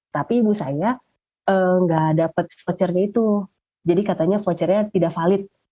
tapi ibu saya nggak dapat vouchernya itu jadi katanya vouchernya tidak valid